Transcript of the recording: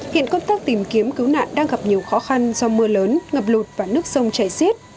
hiện công tác tìm kiếm cứu nạn đang gặp nhiều khó khăn do mưa lớn ngập lụt và nước sông chảy xiết